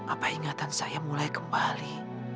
apa ingatan saya mulai kembali